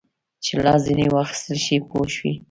چې لاس ځینې واخیستل شي پوه شوې!.